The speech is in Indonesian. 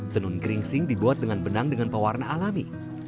tenun geringsing dibuat dengan benang dengan pewarna alami